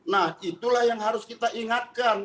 nah itulah yang harus kita ingatkan